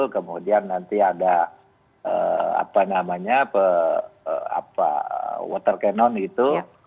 kemudian nanti ada apa namanya water cannon itu